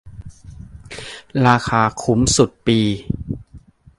ราคาคุ้มสุด ปี